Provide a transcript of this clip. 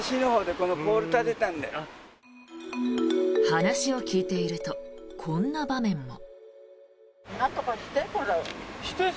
話を聞いているとこんな場面も。